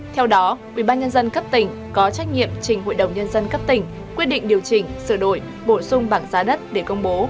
theo đó ubnd cấp tỉnh có trách nhiệm trình hội đồng nhân dân cấp tỉnh quyết định điều chỉnh sửa đổi bổ sung bảng giá đất để công bố